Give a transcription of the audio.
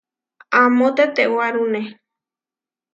Amó tetewárune.